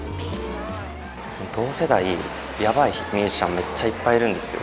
同世代にやばいミュージシャンめっちゃいっぱいいるんですよ。